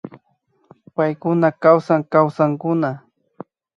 Paykuna kawsan Kawsankuna